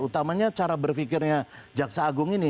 utamanya cara berpikirnya jaksa agung ini